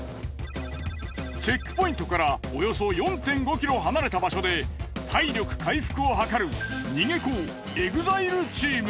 チェックポイントからおよそ４．５ｋｍ離れた場所で体力回復を図る逃げ子ＥＸＩＬＥチーム。